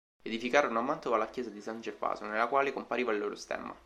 Edificarono a Mantova la chiesa di San Gervaso, nella quale compariva il loro stemma.